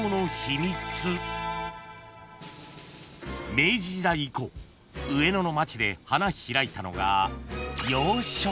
［明治時代以降上野の街で花開いたのが］